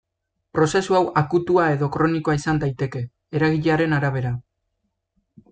Prozesu hau akutua edo kronikoa izan daiteke, eragilearen arabera.